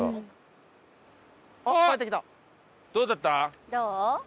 どうだった？